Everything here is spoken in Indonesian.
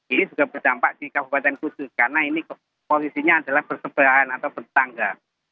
ini juga berdampak di kabupaten kudus karena ini posisinya adalah bersebelahan atau bertangga